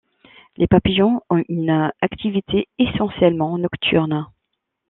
Les papillons ont une activité essentiellement nocturne.